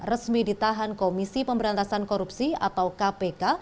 resmi ditahan komisi pemberantasan korupsi atau kpk